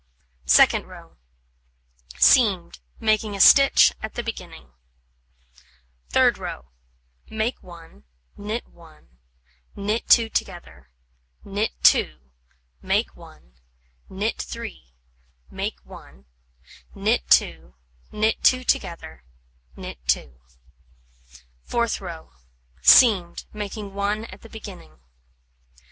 Second row: Seamed, making a stitch at the beginning. Third row: Make 1, knit 1, knit 2 together, knit 2, make 1, knit 3, make 1, knit 2, knit 2 together, knit 2. Fourth row: Seamed, making 1 at the beginning.